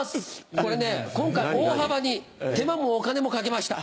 これね今回大幅に手間もお金もかけました。